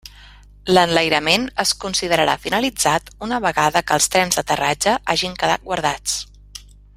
L'enlairament es considerarà finalitzat una vegada que els trens d'aterratge hagin quedat guardats.